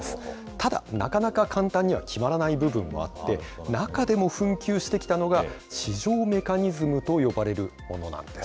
ただ、なかなか簡単には決まらない部分もあって、中でも紛糾してきたのが、市場メカニズムと呼ばれるものなんです。